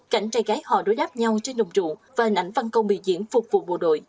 cảnh trai gái họ đối đáp nhau trên đồng trụ và hình ảnh văn công biểu diễn phục vụ bộ đội